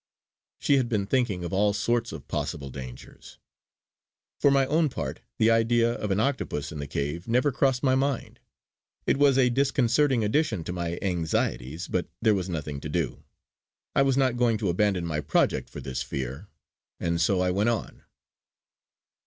She had been thinking of all sorts of possible dangers. For my own part the idea of an octopus in the cave never crossed my mind. It was a disconcerting addition to my anxieties; but there was nothing to do. I was not going to abandon my project for this fear; and so I went on.